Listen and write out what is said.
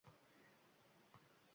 Ovoz chiqarib oʻqing